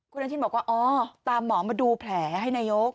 คุณอนุทินบอกว่าอ๋อตามหมอมาดูแผลให้นายก